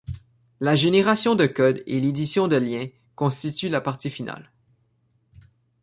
La génération de code et l'édition de liens constituent la partie finale.